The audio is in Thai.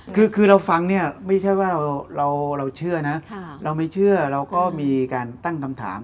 คือเราฟังเนี่ยไม่ใช่ว่าเราเชื่อนะเราไม่เชื่อเราก็มีการตั้งคำถาม